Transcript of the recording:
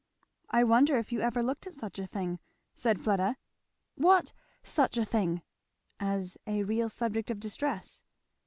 "I wonder if you ever looked at such a thing," said Fleda. "What 'such a thing'?" "As a real subject of distress."